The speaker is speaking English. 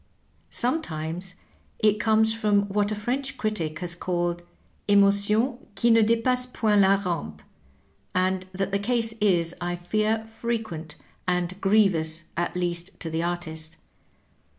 Sometimes it comes from ■what a French critic has called ^^ emotions qui ne dS passent point la rampei^ and that the case is, I fear, fre quent, and grievous at least to the artist.